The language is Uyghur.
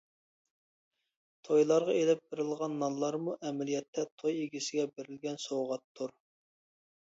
تويلارغا ئېلىپ بېرىلغان نانلارمۇ ئەمەلىيەتتە توي ئىگىسىگە بېرىلگەن سوۋغاتتۇر.